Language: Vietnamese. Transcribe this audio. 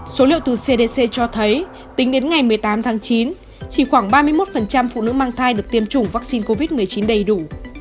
số liệu từ cdc cho thấy tính đến ngày một mươi tám tháng chín chỉ khoảng ba mươi một phụ nữ mang thai được tiêm chủng vaccine covid một mươi chín đầy đủ